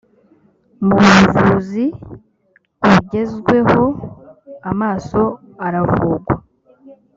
mu buvuzi bugezweho amaso aravugwa